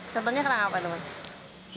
contohnya kerang apa teman